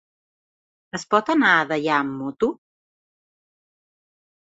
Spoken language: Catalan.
Es pot anar a Deià amb moto?